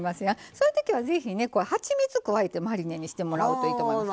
そういう時は是非ねはちみつ加えてマリネにしてもらうといいと思います。